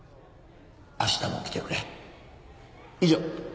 明日も来てくれ以上。